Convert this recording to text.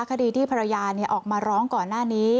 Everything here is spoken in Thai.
คดีที่ภรรยาออกมาร้องก่อนหน้านี้